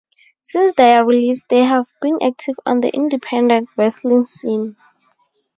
Since their release, they have been active on the independent wrestling scene.